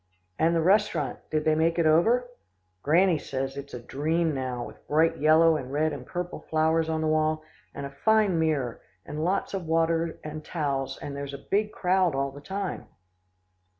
"And the restaurant," I said, "did they make it over?" "Granny says it's a dream now, with bright yellow and red and purple flowers on the wall, and a fine mirror, and lots of water and towels, and there's a big crowd all the time."